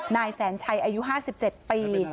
นายแสนชัยอายุ๕๗ปี